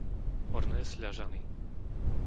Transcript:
Horné Sľažany